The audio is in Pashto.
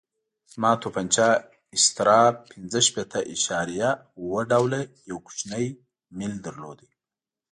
زما تومانچه استرا پنځه شپېته اعشاریه اوه ډوله یو کوچنی میل درلود.